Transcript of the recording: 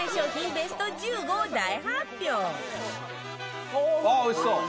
ベスト１５を大発表！